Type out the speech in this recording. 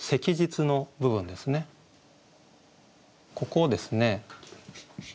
ここをですね。